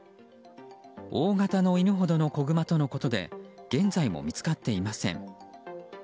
大型の犬ほどの子グマとのことで現在も見つかっていません。